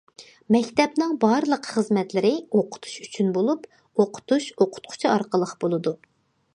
مەكتەپنىڭ بارلىق خىزمەتلىرى ئوقۇتۇش ئۈچۈن بولۇپ، ئوقۇتۇش ئوقۇتقۇچى ئارقىلىق بولىدۇ.